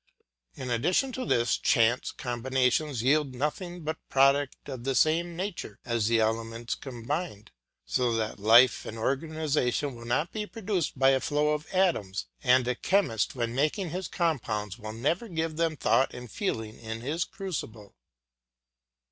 In addition to this, chance combinations yield nothing but products of the same nature as the elements combined, so that life and organisation will not be produced by a flow of atoms, and a chemist when making his compounds will never give them thought and feeling in his crucible.